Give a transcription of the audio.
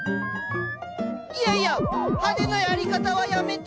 いやいや派手なやり方はやめて！